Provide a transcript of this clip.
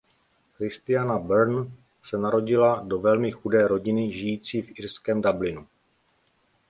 Christina Byrne se narodila do velmi chudé rodiny žijící v irském Dublinu.